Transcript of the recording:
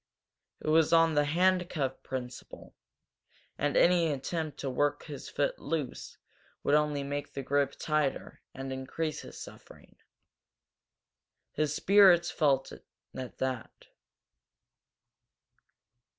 It was on the handcuff principle and any attempt to work his foot loose would only make the grip tighter and increase his suffering. His spirits fell at that.